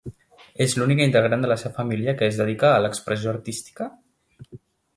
És l'única integrant de la seva família que es dedica a l'expressió artística?